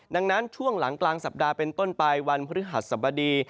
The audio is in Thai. ดังนั้นช่วงหลังกลางสัปดาห์เป็นต้นไปวันพฤหัสสบดี